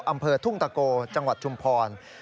อำเภอทุ่งตะโกจังหวัดชุมพร